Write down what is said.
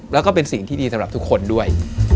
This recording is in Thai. แล้วก็เป็นสิ่งที่ดีสำหรับทุกคนด้วย